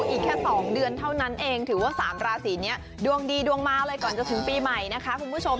อีกแค่๒เดือนเท่านั้นเองถือว่า๓ราศีนี้ดวงดีดวงมาเลยก่อนจะถึงปีใหม่นะคะคุณผู้ชม